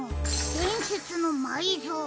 でんせつのまいぞうきん。